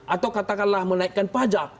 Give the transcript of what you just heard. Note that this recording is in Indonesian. atau katakanlah menaikkan pajak